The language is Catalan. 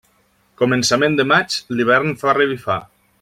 Començament de maig l'hivern fa revifar.